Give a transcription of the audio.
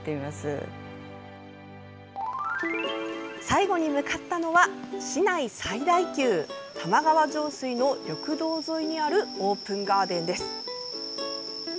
最後に向かったのは市内最大級玉川上水の緑道沿いにあるオープンガーデンです。